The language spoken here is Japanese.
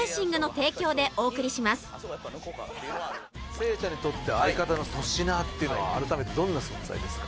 せいやちゃんにとって相方の粗品っていうのは改めてどんな存在ですか？